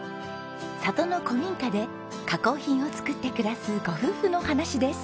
里の古民家で加工品を作って暮らすご夫婦のお話です。